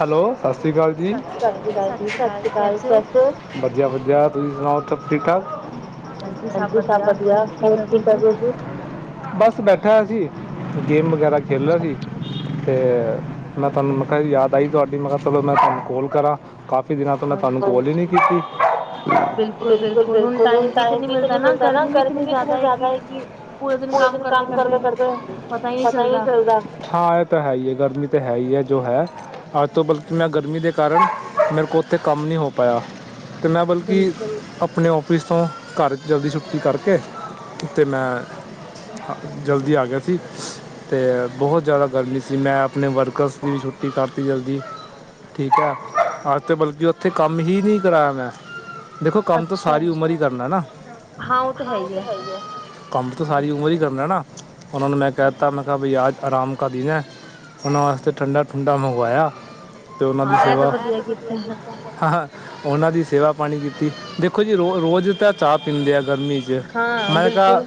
Hello! ਸਤਿ ਸ਼੍ਰੀ ਅਕਾਲ ਜੀ। ਸਸਰੀਕਾਲ, ਸਤਿ ਸ਼ੀ ਅਕਾਲ। ਕੈਸੇ ਹੋ? ਵਧੀਆ-ਵਧੀਆ। ਤੁਸੀਂ ਸੁਣਾਓ, ਸ ਸਭ ਠੀਕ-ਠਾਕ? ਹਾਂਜੀ ਸਭ ਵਧੀਆ। ਹੋਰ, ਕੀ ਕਰ ਰਹੇ ਸੀ? ਬਸ ਬੈਠਾ ਹੋਇਆ ਸੀ, ਗੇਮ ਵਗੈਰਾ ਖੇਲਣਾ ਸੀ, ਤੇ ਤੁਹਾਨੂੰ ਮੈਂ ਕਾ ਯਾਦ ਆਈ ਤੁਹਾਡੀ, ਮੈਂ ਕਿਹਾ ਚਲੋ, ਮੈਂ ਤੁਹਾਨੂੰ ਕੋਲ ਕਰਾਂ ਕਾਫੀ ਕਾਫੀ ਦਿਨਾਂ ਤੋਂ ''ਮੈਂ ਤੁਹਾਨੂੰ ਕੋਲ ਹੀ ਨੀ ਕੀਤੀ। ਬਿਲਕੁਲ, -ਬਿਲਕੁਲ, ਹੁਣ ਟਾਈਮ ਵੀ ਤਾਂ ਨਹੀਂ ਮਿਲਦਾ ਨਾ, ਗਰਮੀ ਵੀ ਇਤਨੀ ਜ਼ਿਆਦਾ ਹੈ, ਕੀ ਪੂਰੇ ਦਿਨ ਕੰਮ ਕਰਦੇ-ਕਰਦੇ, ਪਤਾ ਹੀ ਚੱਲਦਾ। ਹਾਂ, ਏ ਓ ਤਾ ਹੈਹੀ ਏ, ਗਰਮੀ ਤਾਂ ਹੈਹੀ ਏ, ਜੋ ਹੈ, ਅੱਜ ਤੋਂ ਬਲਕਿ ਮੈਂ ਗਰਮੀ ਦੇ ਕਾਰਨ, ਮੇਰੇ ਕੋਲ ਉੱਥੇ ਕੰਮ ਨਹੀਂ ਹੋ ਪਾਇਆ, ਤੇ ''ਮੈਂ ਬਲਕਿ ਆਪਣੇ ਔਫਿਸ ਤੋਂ ਘਰ ਜਲਦੀ ਛੁੱਟੀ ਕਰਕੇ, ਤੇ ''ਮੈਂ ਹਾਂ ਜਲਦੀ ਆਗਿਆ ਸੀ, ਤੇ ਬਹੁਤ ਜ਼ਿਆਦਾ ਗਰਮੀ ਸੀ। ''ਮੈਂ ਆਪਣੇ ਵਰਕਰਸ ਦੀ ਛੁੱਟੀ ਕਰਤੀ ਜਲਦੀ। ਠੀਕ ਐ, ਅੱਜ ਤੇ ਬਲਕਿ ਉੱਥੇ ਕੰਮ ਹੀ ਨੀ ਕਰਾਇਆ, ਮੈਂ। ਦੇਖੋ, ਕੰਮ ਤਾ‌ ਸਾਰੀ ਉਮਰ ਹੀ ਕਰਨਾ ਨਾ। ਹਾਂ, ਓ ਤਾਂ, ਹੈਹੀ ਐ। ਕੰਮ ਤੇ ਸਾਰੀ ਉਮਰ ਹੀ ਕਰਨਾ ਨਾ, ਉਹਨਾਂ ਨੂੰ, ਮੈਂ ਕਹਿਤਾ ਮੈਂ ਵੀ ਆਜ ਆਰਾਮ ਕਰਲੀਏ, ਉਹਨਾਂ ਵਾਸਤੇ ਠੰਡਾ-ਠੁੰਡਾ ਮੰਗਵਾਇਆ ਤੇ ਉਹਨਾਂ ਦੀ ਸੇਵਾ, ਹਾਂ, ਹਾਂ। ਉਹਨਾਂ ਦੀ, ਸੇਵਾ ਪਾਣੀ ਕੀਤੀ। ਦੇਖੋ ਜੀ, ਰੋ ਰੋਜ਼ ਤਾਂ ਚਾਹ ਪੀਂਦੇ ਆ ਗਰਮੀ'ਚ। ਮੈਂ ਕਹਾ,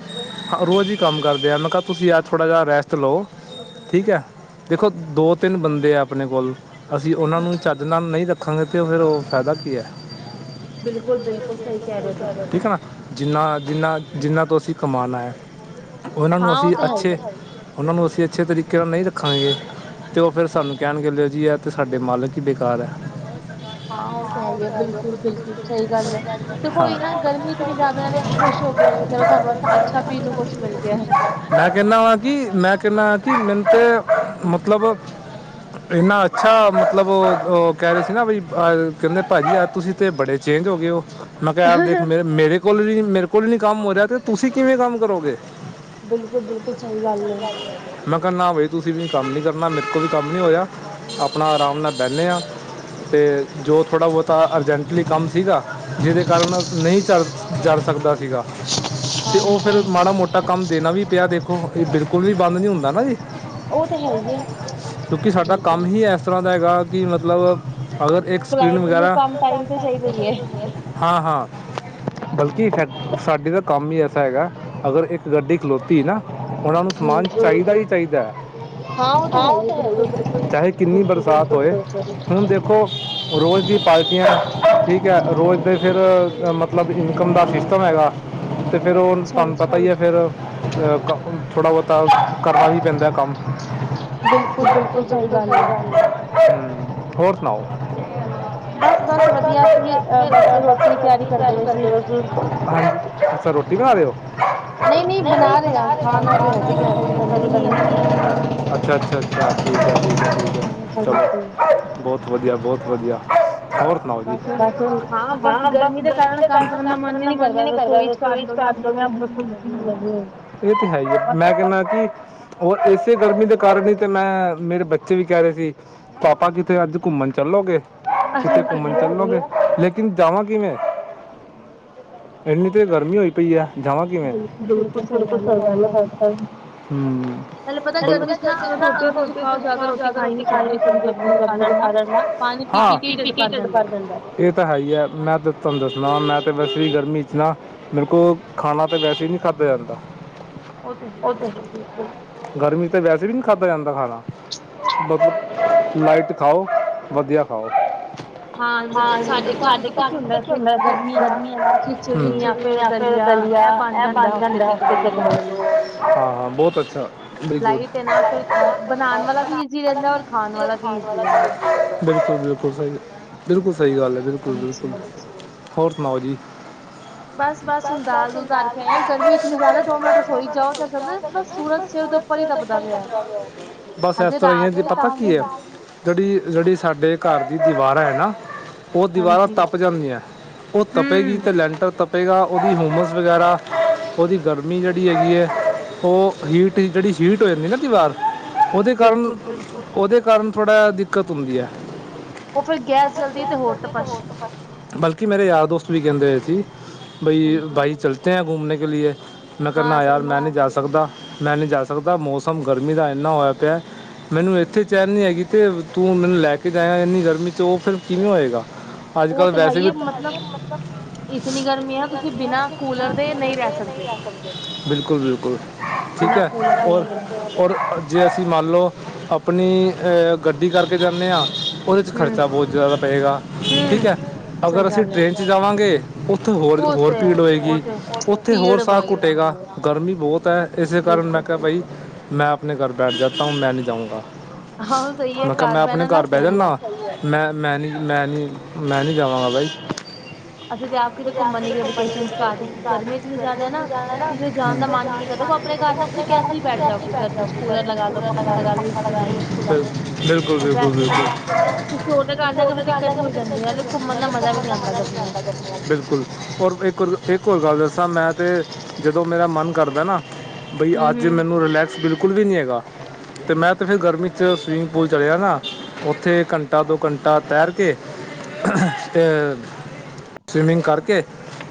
ਰੋਜ਼ ਹੀ ਕੰਮ ਕਰਦੇ ਆ, ''ਮੈਂ ਕਿਹਾ ਤੁਸੀਂ ਅੱਜ ਥੋੜ੍ਹਾ ਜਿਹਾ ਰੈਸਟ ਲਓ। ਠੀਕ ਐ, ਦੇਖੋ ਦੋ-ਤਿੰਨ ਬੰਦੇ ਆ ਆਪਣੇ ਕੋਲ, ਅਸੀਂ ਉਹਨਾਂ ਨੂੰ ਈ ਚੱਜ ਨਾਲ ਨਹੀਂ ਰ ਖਾਂਗੇ ਤੇ ਫਿਰ ਓ ਫੈਦਾ ਕੀ ਐ, ਠੀਕ ਆ, ਨਾ। ਜਿੰਨਾ, ਜਿੰਨਾ, ਜਿੰਨਾਂ ਤੋਂ ਅਸੀਂ ਕਮਾਣਾ ਐ, ਓਹਨਾਂ ਨੂੰ ਅਸੀਂ ਅੱਛੇ ਓਨਾਂ ਨੂੰ ਅਸੀਂ ਅੱਛੇ ਤਰੀਕੇ ਨਾਲ ਨਈ ਰੱਖਾਂਗੇ। ਤੇ ਓ ਫੇਰ ਸਾਨੂੰ ਕਹਿਣਗੇ ਲਿਓ ਜੀ ਐ ਤੇ ਸਾਡੇ ਮਾਲਕ ਈ ਬੇਕਾਰ ਐ। ਹਾਂ ਉਹ ਤਾਂ ਹੈ ਹੀ ਹੈ, ਬਿਲਕੁਲ-ਬਿਲਕੁਲ ਸਹੀ ਗੱਲ ਐ, ਦੇਖੋ ਇਹ ਨਾ ਗਰਮੀ [unintelligible] ਜਜਾਦਾ ਐ ਨਾ ਖੁਸ਼ ਹੋ ਗਏ ਹੋਣਗੇ ਚਲੋ ਤੁਹਾਨੂੰ ਅੱਛਾ ਪੀ ਨੂੰ ਕੁਛ ਮਿਲ ਗਿਆ ਹੈ। ਮੈਂ ਕਹਨਾਂ ਆਂ ਕਿ ਮੈਂ ਕਹਨਾਂ ਆਂ ਕਿ ਮੈਨੂੰ ਤੇ ਮਤਲਬ ਇੰਨਾ ਅੱਛਾ ਮਤਲਬ ਅ ਕਹਿ ਰਹੇ ਸੀ ਨਾ ਬਈ ਕਹਿੰਦੇ ਭਾਜੀ ਯ ਤੁਸੀਂ ਤੇ ਬੜੇ ਚੇਂਜ ਹੋ ਗਏ ਓ। ਮੈਂ ਕਿਹਾ ਯਾਰ ਦੇਖ ਮੇ ਮੇਰੇ ਕੋਲ ਵੀ, ਮੇਰੇ ਕੋਲ ਨੀ ਕੰਮ ਹੋ ਰਿਹਾ ਤੇ ਤੁਸੀਂ ਕਿਵੇਂ ਕੰਮ ਕਰੋਗੇ? ਮੈਂ ਕਿਆ ਨਾ ਬਾਈ ਤੁਸੀਂ ਵੀ ਕੰਮ ਨੀ ਕਰਨਾ ਮ ਕੋਲ ਵੀ ਕੰਮ ਨੀ ਹੋਇਆ, ਆਪਨਾ ਅਰਾਮ ਨਾਲ ਬੈਨੇ ਆਂ। ਤੇ ਜੋ ਥੋੜ੍ਹਾ ਬੋਤਾ ਅਰਜੈਂਟਲੀ ਕੰਮ ਸੀਗਾ ਜਿਦੇ ਕਾਰਨ ਨਈ ਚਲ ਜਰ ਸਕਦਾ ਸੀਗਾ। ਤੇ ਓ ਫਿਰ ਮਾੜਾ ਮੋਟਾ ਕੰਮ ਦੇਨਾਂ ਵੀ ਪਿਆ ਦੇਖੋ ਇਹ ਬਿਲਕੁਲ ਵੀ ਬੰਦ ਨੀ ਹੁੰਦਾ ਨਾ ਜੀ। ਓ ਤੇ ਹੈ ਹੀ ਏ। ਕਿਉਂਕਿ ਸਾਡਾ ਕੰਮ ਹੀ ਏਸ ਤਰ੍ਹਾਂ ਦਾ ਹੈਗਾ ਕਿ ਮਤਲਬ ਅਗਰ ਇੱਕ ਸਕਰੀਨ ਵਗੈਰਾ, ਹਾਂ-ਹਾਂ। ਬਲਕਿ ਸਾਡੀੇ ਤਾਂ ਕੰਮ ਹੀ ਐਸਾ ਹੈਗਾ ਅਗਰ ਇੱਕ ਗੱਡੀ ਖਲੋਤੀ ਨਾ ਉਹਨਾਂ ਨੂੰ ਸਮਾਨ ਚਾਈਦਾ ਹੀ ਚਾਈਦਾ ਐ। ਚਾਹੇ ਕਿੰਨੀ ਬਰਸਾਤ ਹੋਏ, ਹੁਨ ਦੇਖੋ ਰੋਜ਼ ਦੀ ਪਾਲਟੀਆਂ ਠੀਕ ਹੈ, ਰੋਜ਼ ਦੇ ਫਿਰ ਮਤਲਬ ਇਨਕਮ ਦਾ ਸਿਸਟਮ ਹੈਗਾ। ਤੇ ਫੇਰ ਉਹ ਤੁਹਾਨੂੰ ਪਤਾ ਹੀ ਆ ਫੇਰ ਅ ਥੋੜਾ ਬੋਤਾ ਕਰਨਾ ਵੀ ਪੈਂਦਾ ਕੰਮ। ਹੂੰ, ਹੋਰ ਸੁਨਾਂਓ। ਬਸ-ਬਸ ਵਧੀਆ, ਅਸੀਂ ਵੀ ਅ ਬਸ ਰੋਟੀ ਦੀ ਤਿਆਰੀ ਕਰਦੇ ਪਏ ਸੀ ਹਾਂਜੀ, ਅੱਛਾ ਰੋਟੀ ਬਨਾਂ ਰੇ ਓ? ਨਈ-ਨਈ ਬਣਾ ਰੇ ਆਂ, ਖਾਨ ਵਾਲੇ ਹਜੇ ਕਿੱਥੇ ਜੇ ਬਨੀ ਨੀ ਹੈ ਤੇ ਫੇਰ- ਅੱਛਾ, ਅੱਛਾ, ਅੱਛਾ ਠੀਕ ਹੈ, ਠੀਕ ਹੈ, ਠੀਕ ਹੈ, ਚਲੋ ਬਹੁਤ ਵਧੀਆ, ਬਹੁਤ ਵਧੀਆ। ਹੋਰ ਸੁਨਾਓ ਜੀ। ਇਹ ਤੇ ਹੈ ਹੀ ਆ, ਮੈਂ ਕਹਿੰਨਾ ਕਿ ਹੋਰ ਏਸੇ ਗਰਮੀ ਦੇ ਕਾਰ ਹੀ ਤੇ ਮੈਂ ਮੇਰੇ ਬੱਚੇ ਵੀ ਕਹਿ ਰਹੇ ਸੀ, ਪਾਪਾ ਕਿੱਥੇ ਅੱਜ ਘੁੰਮਣ ਚੱਲੋਗੇ? ਕਿੱਥੇ ਘੁੰਮਣ ਚੱਲੋਗੇ? ਲੇਕਿਨ ਜਾਵਾਂ ਕਿਵੇਂ? ਏਨੀ ਤੇ ਗਰਮੀ ਹੋਈ ਪਈ ਆ ਜਾਵਾਂ ਕਿਵੇਂ? ਪਹਿਲ ਪਤਾ ਗਰਮੀ ਨਾ ਅਗਰ ਰੋਟੀ ਤੁਸੀਂ ਖਾਓ, ਜਾਦਾ ਰੋਟੀ ਖਾ ਈ ਨੀ ਸਕਦੇ ਇਤਨੀ ਗਰਮੀ ਦੇ ਕਾਰਨ ਨਾ, ਪਾਣੀ ਪੀ-ਪੀ ਕੇ ਹੀ ਢਿੱਡ ਭਰ ਇਹ ਤਾਂ ਹੈ ਈ ਐ, ਮੈਂ ਤੁਹਾਨੂੰ ਦੱਸਨਾਂ ਮੈਂ ਤੇ ਵੈਸੇ ਵੀ ਗਰਮੀ 'ਚ ਨਾ ਮੇਰੇ ਕੋਲ ਖਾਨਾਂ ਤੇ ਵੈਸੇ ਹੀ ਨਹੀਂ ਖਾਧਾ ਜਾਂਦਾ। ਗਰਮੀ ਤਾਂ ਵੈਸ ਵੀ ਨਹੀਂ ਖਾਧਾ ਜਾਂਦਾ ਖਾਨਾ, ਮਤਲਬ ਲਾਈਟ ਖਾਓ, ਵਧੀਆ ਖਾਓ। ਹਾਂ ਜੀ, ਸਾਡੇ ਘਰ ਪਤਾ ਕੀ ਹੁੰਦਾ, ਗਰਮੀ [unintelligible] ਯਾ ਫਿਰ ਦਲਿਆ ਇਹ ਬਨ ਜਾਂਦਾ ਹਫ਼ਤੇ 'ਚ ਇੱਕ ਵਾਰੀ, ਦੋ ਵਾਰੀ। ਹਾਂ-ਹਾਂ, ਬੋਤ ਅੱਛਾ, ਵੈਰੀ ਗੁੱਡ। ਨਾ ਫਿਰ ਖਾਏ ਬਨਾਨ ਵਾਲਾ ਵੀ ਇਜ਼ੀ ਰਹਿੰਦਾ ਔਰ ਖਾਨ ਵਾਲਾ ਵੀ ਇਜ਼ੀ ਰਹਿੰਦਾ। ਬਿਲਕੁਲ-ਬਿਲਕੁਲ ਸਈ ਗ ਬਿਲਕੁਲ ਸਈ ਗੱਲ ਐ ਬਿਲਕੁਲ, ਬਿਲਕੁਲ ਹੋਰ ਸੁਣਾਓ ਜੀ। ਬਸ-ਬਸ ਹੁਨ ਦਾਲ ਦੂਲ ਧਰ ਕੇ ਆਏ ਆ, ਗਰਮੀ ਇਤਨੀ ਜਾਦਾ ਦੋ ਮਿੰਟ ਰਸੋਈ 'ਚ ਜਾਓ ਨਾ ਬਸ ਸੂਰਜ਼ ਸਿਰ ਦੇ ਉੱਪਰ ਹੀ ਤਪ ਬਸ ਏਸ ਤਰ੍ਹਾਂ ਹੀ ਏ, ਜੇ ਪਤਾ ਕੀ ਐ? ਜਿਹੜੀ ਜੜੀ ਸਾਡੇ ਘਰ ਦੀ ਦੀਵਾਰ ਹੈ ਨਾ, ਉਹ ਦੀਵਾਰਾਂ ਤੱਪ ਜਾਂਦੀਆਂ, ਉਹ ਤਪੇਗੀ ਅਤੇ ਲੈਂਟਰ ਤਪ- ਪਏਗਾ ਉਹਦੀ ਹੁੰਮਸ ਵਗੈਰਾ ਉਹਦੀ ਗਰਮੀ ਜਿਹੜੀ ਹੈਗੀ ਐ ਉਹ ਹੀਟ ਇਹ ਜਿਹੜੀ ਸੀਟ -ਟ ਹੋ ਜਾਂਦੀ ਨਾ ਕਈ ਵਾਰ ਉਹਦੇ ਕਾਰਨ, ਉਹਦੇ ਕਾਰਨ ਥੋੜ੍ਹਾ ਦਿੱਕਤ ਹੁੰਦੀ ਐ। ਹੁੰਮਸ ਕਰਦੀ ਤੇ ਬਸ ਕਿ ਮੇਰੇ ਯਾਰ ਦੋਸਤ ਵੀ ਕਹਿੰਦੇ ਏ ਕਿ ਬਈ ਬਾਈ ਚਲਤੇ ਹੈ ਘੁੰਮਨ ਕੇ ਲੀਏ। ਮੈਂ ਕਹਿੰਨਾ ਯਾਰ ਮੈਂ ਨਹੀਂ ਜਾ ਸਕਦਾ, ਮੈਂ ਨਹੀਂ ਜਾ ਸਕਦਾ ਮੌਸਮ ਗਰਮੀ ਦਾ ਇੰਨਾ ਹੋਇਆ ਪਿਆ। ਮੈਨੂੰ ਇੱਥੇ ਚੈਨ ਨੀ ਹੈਗੀ ਤੇ ਤੂੰ ਮੈਨੂੰ ਲੈ ਕੇ ਜਾਏਗਾ ਇੰਨੀ ਗਰਮੀ 'ਚ ਉਹ ਫਿਰ ਕਿਵੇਂ ਹੋਏਗਾ? ਅੱਜ ਕੱਲ੍ਹ ਵੈਸੇ ਵੀ ਇਤਨੀ ਗਰਮੀ ਆ ਕਿ ਬਿਨਾਂ ਕੂਲਰ ਦੇ ਨਹੀਂ ਰਹਿ ਸਕਦੇ। ਬਿਲਕੁੱਲ ਬਿਲਕੁਲ ਠੀਕ ਐ ਔਰ। ਔਰ ਜੇ ਅਸੀਂ ਮੰਨ ਲਓ ਆਪਣੀ ਏ ਗੱਡੀ ਕਰਕੇ ਜਾਂਨੇ ਆ। ਉਹਦੇ 'ਚ ਖਰਚਾ ਬਹੁਤ ਜ਼ਿਆਦਾ ਪਏਗਾ ਠੀਕ ਹੈ ਅਗਰ ਅਸੀਂ ਟ੍ਰਰੇਨ 'ਚ ਜਾਵਾਂਗੇ। ਉੱਥੇ ਹੋਰ ਹੋਰ ਭੀੜ ਹੋਏਗੀ ਉੱਥੇ ਹੋਰ ਸਾਹ ਘੁੱਟੇਗਾ। ਗਰਮੀ ਬਹੁਤ ਹੈ। ਇਸੇ ਕਾਰਨ ਮੈਂ ਕਿਹਾ ਬਈ ਮੈਂ ਆਪਣੇ ਘਰ ਬੈਠ ਜਾਤਾ ਹੂੰ ਮੈਂ ਨਹੀਂ ਜਾਊਂਗਾ। ਮੈਂ ਕਿਹਾ ਮੈਂ ਆਪਣੇ ਘਰ ਬਹਿ ਜਾਂਨਾ। ਮੈਂ ਮੈਂ ਨਹੀਂ ਮੈਂ ਨਹੀਂ ਮੈਂ ਨਹੀਂ ਜਾਵਾਂਗਾ ਬਈ। ਅਸੀਂ ਤਾਂ ਆਪ ਕੇ ਤਾਂ ਘੁੰਮਣ ਨੀ ਗਏ ਵਕੇਸ਼ਨ ਚ ਘਰ ਈ ਕਿ ਗਰਮੀ ਇਤਨੀ ਜ਼ਿਆਦਾ ਹੈ ਨਾ ਕਿਸੇ ਜਾਣ ਦਾ ਮਨ ਹੀ ਨ ਨਹੀਂ ਕਰਦਾ। ਦੇਖੋ ਆਪਣੇ ਘਰ ਨਾ ਤੁਸੀਂ ਕਿਆ ਕੂਲਰ ਲਗਾ ਲਓ ਪੱਖਾ ਲਗਾ ਲਓ। ਬਿਲਕੁੱਲ ਬਿਲਕੁੱਲ ਛੋਟੇ ਮੇਕੋ ਏਨਾ ਮਜ਼ਾ ਨਹੀਂ ਆਦਾ ਬਿਲਕੁਲ ਹੋਰ ਇੱਕ ਹੋਰ ਇੱਕ ਹੋਰ ਗੱਲ ਦੱਸਾਂ ਮੈਂ ਤੇ ਜਦੋਂ ਮੇਰਾ ਮਨ ਕਰਦਾ ਨਾ ਬਈ ਅੱਜ ਔਰ ਰਿਲੈਕਸ ਬਿਲਕੁਲ ਵੀ ਨਹੀਂ ਹੈਗਾ ਤੇ ਮੈਂ ਤੇ ਫਿਰ ਗਰਮੀ 'ਚ ਸਵੀਮਿੰਗ ਪੂਲ ਚਲਿਆ ਜਾਨਾ ਨਾ ਉੱਥੇ ਘੰਟਾ ਦੋ ਘੰਟਾ ਤੈਰ ਕੇ, ਤੇ ਸਵੀਮਿੰਗ ਕਰਕੇ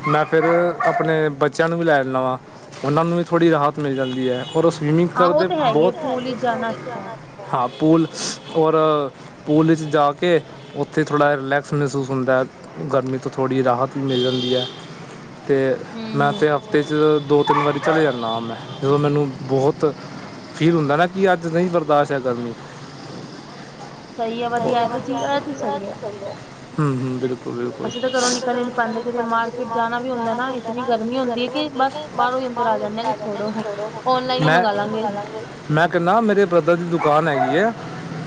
ਮੈਂ ਫਿਰ ਆਪਣੇ ਬੱਚਿਆਂ ਨੂੰ ਵੀ ਲੈ ਜਾਨਾ ਵਾਂ, ਉਹਨਾਂ ਨੂੰ ਵੀ ਥੋੜ੍ਹੀ ਰਾਹਤ ਮਿਲ ਜਾਂਦੀ ਆ। ਔਰ ਉਹ ਸਵੀਮਿੰਗ ਕਰਦੇ ਬਹੁਤ, ਹਾਂ ਪੂਲ ਔਰ ਪੂਲ 'ਚ ਜਾ ਕੇ ਉੱਥੇ ਥੋੜ੍ਹਾ ਜਿਹਾ ਰਿਲੈਕਸ ਮਹਿਸੂਸ ਹੁੰਦਾ। ਗਰਮੀ ਤੋਂ ਥੋੜ੍ਹੀ ਰਾਹਤ ਮਿਲ ਜਾਂਦੀ ਐ। 'ਤੇ ਮੈਂ ਤਾਂ ਹਫ਼ਤੇ 'ਚ ਦੋ ਤਿੰਨ ਵਾਰੀ ਚਲੇ ਜਾਂਨਾ ਹੁੰਨਾ ਜਦੋਂ ਮੈਨੂੰ- ਬਹੁਤ ਫੀਲ ਹੁੰਦਾ ਨਾ ਕਿ ਅੱਜ ਨਹੀਂ ਬਰਦਾਸ਼ਤ ਹੈ ਗਰਮੀ। ਹੂੰ-ਹੂੰ ਬਿਲਕੁਲ। ਬਿਲਕੁੱਲ, ਜਦੋਂ ਕਦੀ ਪੰਜ ਕ ਵਜੇ ਮਾਰਕਟ ਜਾਣਾ ਵੀ ਹੁੰਦਾ ਨਾ ਇਤਨੀ ਗਰਮੀ ਹੁੰਦੀ ਕਿ ਬਸ ਪੰਜ ਮਿੰਟ ਵਿੱਚ ਆ ਜਾਂਦੇ ਨਾ ਛੋੜੋ ਹੁਣ ਆਨਲਾਈਨ ਹੀ ਮੰਗਾ ਲਾਂਗੇ। ਮੈਂ ਕੇਨਾ ਮੇਰੇ ਬ੍ਰਦਰ ਦੀ ਦੁਕਾਨ ਹੈਗੀ ਐ,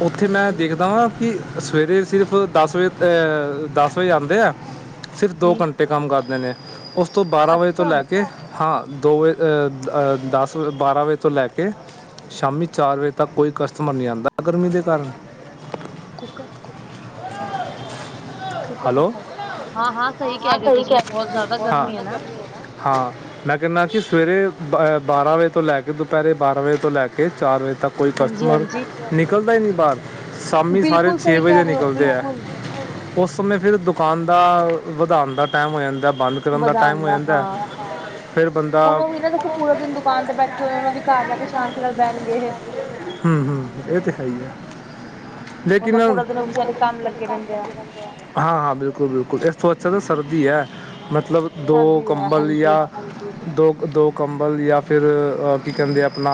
ਉੱਥੇ ਮੈਂ ਦੇਖਦਾ ਵਾਂ ਕੀ ਸਵੇਰੇ ਸਿਰਫ ਦਸ ਵਜੇ ਤ ਦਸ ਵਜੇ ਆਉਂਦੇ ਆ, ਸਿਰਫ ਦੋ ਘੰਟੇ ਕੰਮ ਕਰਦੇ ਨੇ। ਉਸ ਤੋਂ ਬਾਰਾਂ ਵਜੇ ਤੋਂ ਲੈ ਕੇ ਹਾਂ ਦੋ ਵਜੇ ਏ ਅ ਦਸ ਤੇ ਬਾਰਾਂ ਵਜੇ ਤੋਂ ਲੈ ਕੇ ਸ਼ਾਮੀ ਚਾਰ ਵਜੇ ਤੱਕ ਕੋਈ ਕਸਟਮਰ ਨਹੀਂ ਆਉਂਦਾ, ਗਰਮੀ ਦੇ ਕਾਰਨ। ਕੂਕਰ, ਬਣਾ ਦੋ ਕੁੱਕਰ ਰੱਖਵਾ ਦੇ, ਹਾਂ ਹਾਂ ਸਹੀ ਕਹਿ ਰਹੇ ਹੋ ਤੁਸੀਂ ਬਹੁਤ ਜ਼ਿਆਦਾ ਗਰਮੀ ਹੈ ਨਾ। ਹਾਂ। ਮੈਂ ਕੈਨਾ ਕਿ ਸਵੇਰੇ ਬ ਬਾਰਾਂ ਵਜੇ ਤੋਂ ਲੈ ਕੇ, ਦੁਪਹਿਰੇ ਬਾਰਾਂ ਵਜੇ ਤੋਂ ਲੈ ਕੇ ਚਾਰ ਵਜੇ ਤੱਕ ਕੋਈ ਕਸਟਮਰ ਨਿਕਲਦਾ ਹੀ ਨੀ ਬਾਹਰ, ਸ਼ਾਮੀ ਸਾਰੇ ਛੇ ਵਜੇ ਨਿਕਲਦੇ ਐ। ਉਸ ਸਮੇਂ ਫਿਰ ਦੁਕਾਨ ਦਾ ਵਧਾਣ ਦਾ ਟਾਈਮ ਹੋ ਜਾਂਦਾ ਬੰਦ- ਕਰਨ ਦਾ ਟਾਈਮ ਹੋ ਜਾਂਦਾ ਫਿਰ ਬੰਦਾ ਉਹ ਪੂਰਾ ਦਿਨ ਦੁਕਾਨ ਤੇ ਬੈਠੇ ਹੋਏ ਉਹ ਵੀ ਘਰ ਜਾ ਕੇ ਸ਼ਾਂਤੀ ਨਾਲ ਬਹਿਣ ਗਏ। ਹੂੰ-ਹੂੰ ਇਹ ਤੇ ਹੈ ਈ ਆ। ਲੇਕਿਨ ਹਾਂ -ਹਾਂ ਬਿਲਕੁਲ -ਬਿਲਕੁਲ ਇਸ ਤੋਂ ਅੱਛਾ ਤਾਂ ਸਰਦੀ ਐ, ਮਤਲਬ ਦੋ ਕੰਬਲ ਜਾਂ ਦੋ -ਦੋ ਕੰਬਲ ਜਾਂ ਫਿਰ, ਅ ਕੀ ਕੈਂਦੇ ਆਪਣਾ,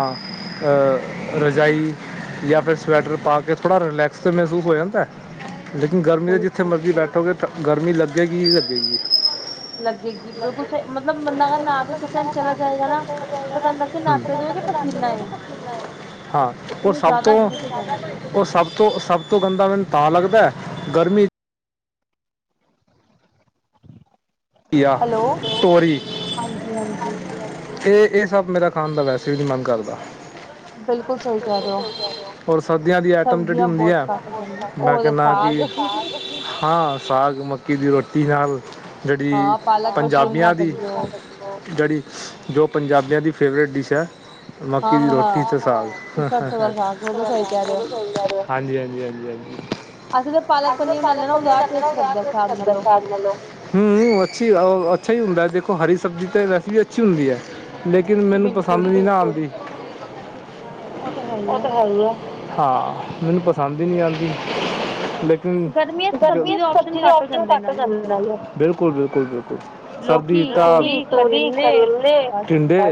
ਅ ਰਜਾਈ ਜਾਂ ਫਿਰ ਸਵੈਟਰ ਪਾ ਕੇ ਥੋੜਾ ਰਿਲੈਕਸ ਤੇ ਮਹਿਸੂਸ ਹੋ ਜਾਂਦਾ ਐ। ਲੇਕਿਨ ਗਰਮੀਆ ਜਿੱਥੇ ਮਰਜ਼ੀ ਬੈਠੋਗੇ ਤਾ ਗਰਮੀ ਲੱਗੇਗੀ- ਲੱਗੇਗੀ। ਲੱਗੇਗੀ ਬਿਲਕੁਲ ਸਈ ਮਤਲਬ ਬੰਦਾ ਅਗਰ ਨਹਾ ਕੇ ਕਿਚਨ ਚਲਾ ਜਾਏਗਾ ਨਾ ਪਤਾ ਨੀ ਕਿ ਨਾਤੇ ਤੋਂਏ ਕਿ ਪਸੀਨਾ ਐ। ਹਾਂ, ਓ ਸਭ ਤੋਂ, ਓ ਉਹ ਸ ਤੋਂ ਸਭ ਤੋਂ ਗੰਦਾ ਮੈਨੂੰ ਤਾਂ ਲੱਗਦਾ ਐ ਗਰਮੀ ਯਾ ਟੋਰੀ ਏ-ਏ ਸਭ ਮੇਰਾ ਖਾਣ ਦਾ ਵੈਸੇ ਵੀ ਨੀ ਮਨ ਕਰਦਾ। ਹੋਰ ਸਰਦੀਆਂ ਦੀ ਐਟਮ ਜੇੜੀ ਹੁੰਦੀ ਐ। ਮੈਂ ਕੈਂਨਾ ਕੀ, ਸਾਗ, ਹਾਂ ਸਾਗ ਮੱਕੀ ਦੀ ਰੋਟੀ ਨਾਲ [unintelligible] ਪੰਜਾਬੀਆਂ ਦੀ [unintelligible] ਜੋ ਪੰਜਾਬੀਆਂ ਦੀ ਫੇਵਰਟ ਡਿਸ਼ ਐ ਮੱਕੀ ਦੀ ਰੋਟੀ ਤੇ ਸਾਗ, [unintelligible] ਹਾਂਜੀ ਹਾਂਜੀ ਹਾਂਜੀ ਹਾਂਜੀ। ਅਜ ਮੈਂ ਪਾਲਕ ਪਨੀਰ [unintelligible] ਹੂੰ ਅੱਛੀ ਅ ਅੱਛਾ ਈ ਹੁੰਦਾ ਏ ਦੇਖੋ ਹਰੀ ਸਬਜ਼ੀ ਤਾਂ ਵੈਸੇ ਵੀ ਅੱਛੀ ਹੁੰਦੀ ਐ। ਲੇਕਿਨ ਮੈਨੂੰ ਪਸੰਦ ਨੀ ਨਾ ਆਂਦੀ, ਓ ਤਾਂ ਹੇਈ ਆ। ਹਾਂ, ਮੈਨੂ ਪਸੰਦ ਈ ਨੀ ਆਂਦੀ ਬਕੁ ਬਿਲਕੁ ਬਕੁ [unintelligible] ਸਰਦੀ, ਤ, ਤੋਰੀ, ਕਾਰੇਲੇ, ਟੇੰਂਡੇ ਆ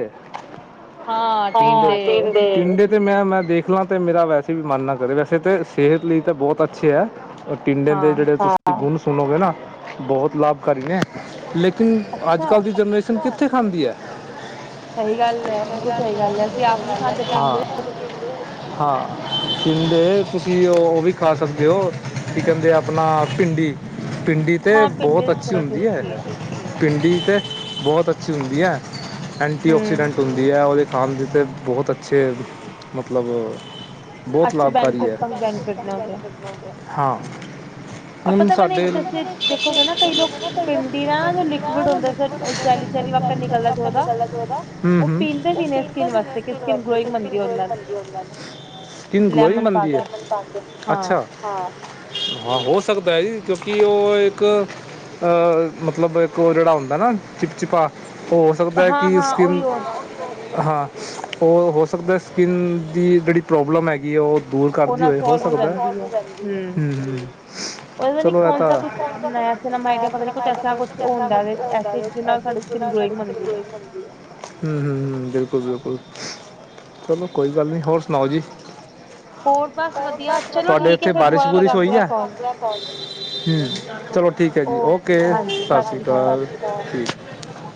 ਟੀਂਡੇ ਤੇ ਮੈਂ -ਮੈਂ ਦੇਖ ਲਾਂ ਤੇ ਮੇਰਾ ਵੈਸੇ ਵੀ ਮਨ ਨਾ ਕਰੇ ਵੈਸੇ ਤੇ, ਸੇਤ ਲੀ ਤਾਂ ਬੋਤ ਅੱਛੇ ਆ ਟੀਂਡੇ ਜਿਹੜੇ ਤੁਸੀਂ ਗੁਣ ਸੁਨੋਗੇ ਨਾ, ਬੋਤ ਲਾਭਕਾਰੀ ਨੇ, ਲੇ ਹੂੰ, ਅੱਜ ਕੱਲ ਦੀ ਜਨਰੇਸ਼ਨ ਕਿੱਥੇ ਖਾਂਦੀ ਆ ਹਾਂ ਹਾਂ, ਟੀਂਡੇ ਤੁਸੀਂ ਓ ਵੀ ਖਾ ਸਕਦੇ ਓ, ਕੀ ਕੈਂਦੇ ਆਪਨਾ ਭਿੰਡੀ। ਭਿੰਡੀ ਤੇ ਬੋਤ ਅੱਛੀ ਹੁੰਦੀ ਐ। ਭਿੰਡੀ ਤੇ ਬੋਤ ਅੱਛੀ ਹੁੰਦੀ ਐ, ਐਂਟੀਆਕਸੀਡੈਂਟ ਹੁੰ ਦੀ ਐ ਓਦੇ ਖਣ ਜਤੇ ਬਹੁਤ ਅੱਛੇ ਮਤਲਬ ਅੱਛੇ ਬੈਨੀਫਿਟ ਕ ਬੈਨੀਫਿਟ [unintelligible] ਹਾਂ ਪਤਾ ਮੈਨੇ ਜੈਸੇ ਦੇਖੋਗੇ ਨਾ ਕਈ [unintelligible] ਹੂੰ- ਲੋਕ ਹੂੰ [unintelligible] ਸਕਿਨ ਗਲੋਇੰਗ ਬਣਦੀ ਆ? ਅੱਛਾ। ਹਾਂ, ਹੋ ਸਕਦਾ ਏ ਕਿਉਂਕੀ ਓ ਇੱਕ ਅ ਮਤਲਬ ਇੱਕ ਓ ਜੇੜਾ ਹੁੰਦਾ ਨਾ, ਚਿਪਚਿਪਾ ਹੋ ਸਕਦਾ ਐ ਕੀ ਸਕਿਨ ਹਾਂ, ਅ ਹੋ ਸਕਦਾ ਸਕਿੰਨ ਦੀ ਜੇੜੀ ਪ੍ਰੋਬਲਮ ਹੈਗੀ ਓ ਦੂਰ ਕਰਦੀ ਹੋਏ, ਹੋ ਸਕਦਾ ਹੂੰ [unintelligible] ਮ ਪਤਾ ਨੀ ਕੁਛ ਐ ਤ ਕੁਛ ਉਂਦਾ ਐ ਜਿਹ ਨਾਲ ਸਾਡੀ ਸਕਿੰਨ ਗਰੋਇੰਗ ਬਣਦੀ ਐ। ਹੂੰ, ਬਿਲਕੁਲ -ਬਿਲਕੁਲ ਚਲੋ ਕੋਈ ਗੱਲ ਨੀ ਹੋਰ ਸੁਣਾਓ ਜੀ। ਤੁਆਡੇ ਇਥੇ ਬਾਰਿਸ਼ ਬੁਰਿਸ਼ ਹੋਈ ਆ, ਹੂੰ ਠੀਕ ਐ ਜੀ ਓਕੇ, ਸਾਸਰੀ ਕਾਲ ਠੀਕ